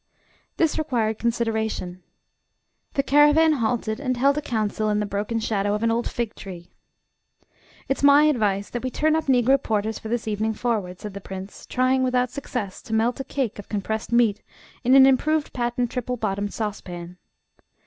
This required consideration. The caravan halted, and held a council in the broken shadow of an old fig tree. "It's my advice that we turn up Negro porters from this evening forward," said the prince, trying without success to melt a cake of compressed meat in an improved patent triple bottomed sauce pan.